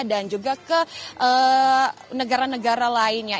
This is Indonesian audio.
dan juga ke negara negara lainnya